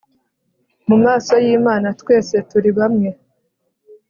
mu maso y'imana twese turi bamwe